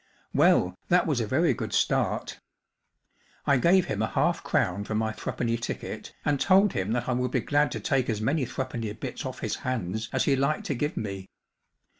Well, that was a very good start. I gave him a half crown for my threepenny ticket and told him that I would be glad to take as many threepenny bits off his hands as he liked to give me.